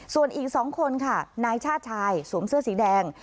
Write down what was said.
ส่วนอีก๒คนค่ะนายชาติชายสวมเสื้อสีแดง